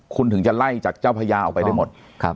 คุณถึงจะไล่จากเจ้าพญาออกไปได้หมด